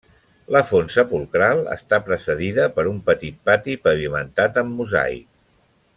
La font sepulcral està precedida per un petit pati pavimentat amb mosaic.